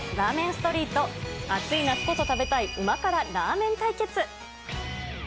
ストリート、暑い夏こそ食べたい旨辛ラーメン対決。